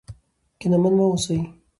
کینمن مه اوسئ.